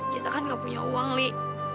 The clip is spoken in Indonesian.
kita kan gak punya uang nih